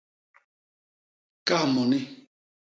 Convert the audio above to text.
Kas moni.